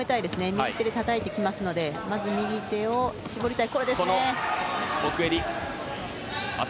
右手でたたいてきますのでまず右手を絞りたい。